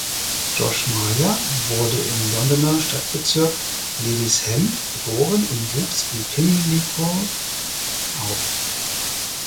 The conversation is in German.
Josh Maja wurde im Londoner Stadtbezirk Lewisham geboren und wuchs in Pimlico auf.